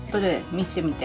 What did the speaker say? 見してみて。